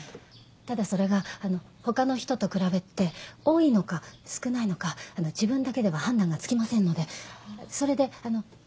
ただそれが他の人と比べて多いのか少ないのか自分だけでは判断がつきませんのでそれであの。